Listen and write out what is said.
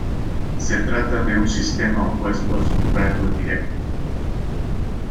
Se trata de un sistema opuesto al sufragio directo.